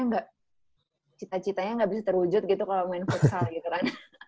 kayaknya gak cita citanya gak bisa terwujud gitu kalo main futsal gitu kan